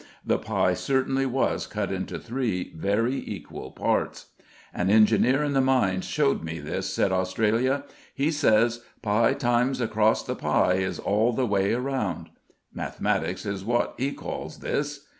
The pie certainly was cut into three very equal parts. "An engineer in the mines showed me this," said Australia. "He says, 'Pie times across the pie, is all the way around.' Mathematics is wot he calls this."